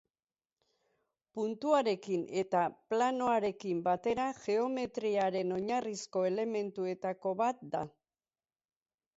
Puntuarekin eta planoarekin batera, geometriaren oinarrizko elementuetako bat da.